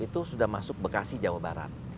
itu sudah masuk bekasi jawa barat